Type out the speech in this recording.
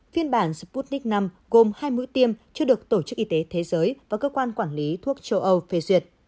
phiên bản sputnik v gồm hai mũi tiêm chưa được tổ chức y tế thế giới và cơ quan quản lý thuốc châu âu phê duyệt